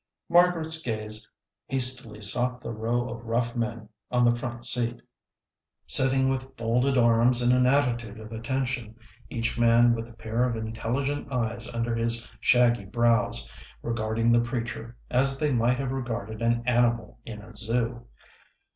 Margaret's gaze hastily sought the row of rough men on the front seat, sitting with folded arms in an attitude of attention, each man with a pair of intelligent eyes under his shaggy brows regarding the preacher as they might have regarded an animal in a zoo.